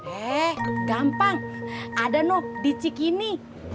eh gampang ada noh di cik ini